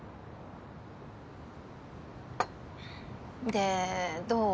でどう？